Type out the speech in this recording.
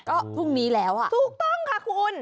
ก็พรุ่งนี้แล้วอ่ะถูกต้องค่ะคุณ